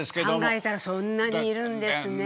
考えたらそんなにいるんですね。